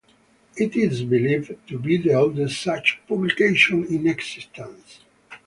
It is believed to be the oldest such publication in existence.